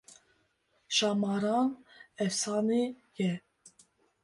Şahmaran efsane ye